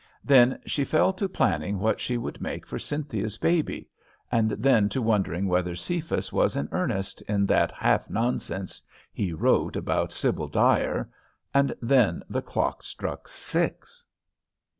Then she fell to planning what she would make for Cynthia's baby, and then to wondering whether Cephas was in earnest in that half nonsense he wrote about Sibyl Dyer, and then the clock struck six!